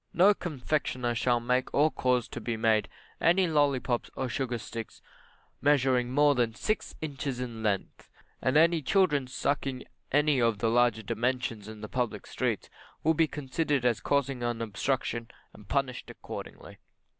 No confectioner shall make or cause to be made, any lollipops or sugar sticks measuring more than six inches in length, and any children sucking any of larger dimensions in the public streets will be considered as causing an obstruction, and punished accordingly.